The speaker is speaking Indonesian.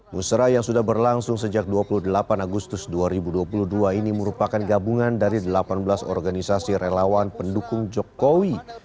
musrah yang sudah berlangsung sejak dua puluh delapan agustus dua ribu dua puluh dua ini merupakan gabungan dari delapan belas organisasi relawan pendukung jokowi